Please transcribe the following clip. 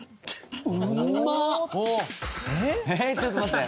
えっちょっと待って。